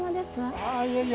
ああいやいや。